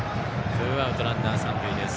ツーアウトランナー、三塁です。